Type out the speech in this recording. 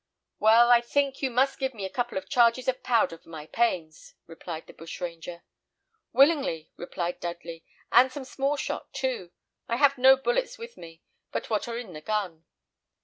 "Well, I think you must give me a couple of charges of powder for my pains," replied the bushranger. "Willingly," replied Dudley, "and some small shot too. I have no bullets with me but what are in the gun.